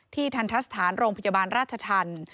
ที่ทัณฑ์ทัศน์โรงพยาบาลราชธรรม